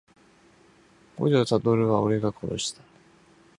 五条悟は俺が殺した…